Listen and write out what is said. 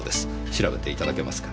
調べていただけますか？